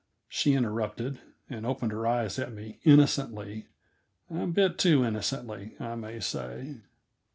she interrupted, and opened her eyes at me innocently; a bit too innocently, I may say.